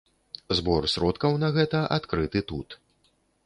Збор сродкаў на гэта адкрыты тут.